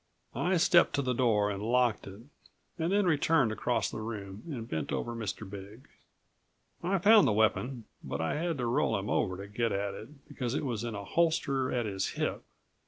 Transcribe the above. I stepped to the door and locked it, and then returned across the room and bent over Mr. Big. I found the weapon but I had to roll him over to get at it, because it was in a holster at his hip.